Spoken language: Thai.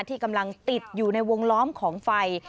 ที่กำลังติดอยู่ในวงล้อมของไฟ